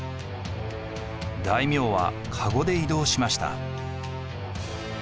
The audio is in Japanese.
大名はかごで移動しました。